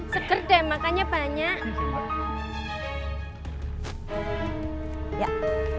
seker deh makannya banyak